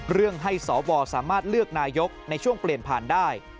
ให้สวสามารถเลือกนายกในช่วงเปลี่ยนผ่านได้